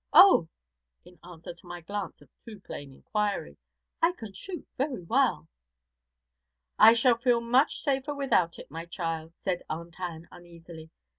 Oh,' in answer to my glance of too plain inquiry, 'I can shoot very well.' 'I shall feel much safer without it, my child,' said Aunt Ann uneasily.